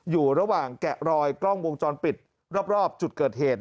อยู่ระหว่างแกะรอยกล้องวงจรปิดรอบจุดเกิดเหตุ